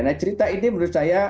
nah cerita ini menurut saya